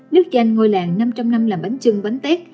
nước danh ngôi làng năm trăm linh năm làm bánh trứng bánh tét